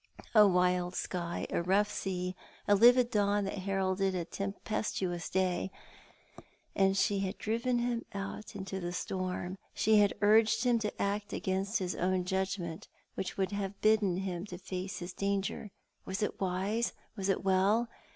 A wild sky, a rongh sea, a livid dawn that heralded a tem pestuous day ! And she had driven him out into the storm ; she had urged him to act against his own judgment, which would have bidden him face his danger. Was it wise, was it well